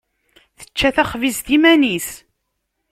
Tečča taxbizt iman-is.